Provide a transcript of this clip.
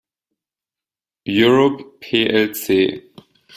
Europe plc.